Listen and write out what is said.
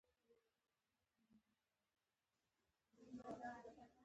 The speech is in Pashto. سهار د قدمونو برکت زیاتوي.